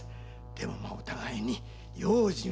でもお互いに用心を。